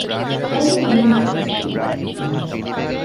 ތަޢުލީމު އުނގެނުމުގެ ފުރުޞަތު ލިބިދޭން ވާނެ